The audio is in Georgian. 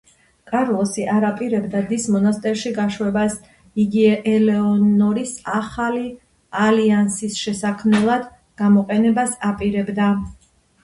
კარლოსი არ აპირებდა დის მონასტერში გაშვებას, იგი ელეონორის ახალი ალიანსის შესაქმნელად გამოყენებას აპირებდა.